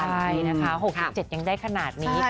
ใช่นะคะ๖๗ยังได้ขนาดนี้